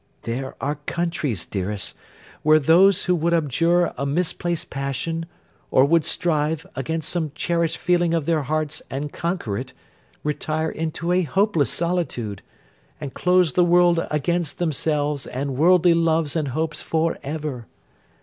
There are countries, dearest, where those who would abjure a misplaced passion, or would strive, against some cherished feeling of their hearts and conquer it, retire into a hopeless solitude, and close the world against themselves and worldly loves and hopes for ever.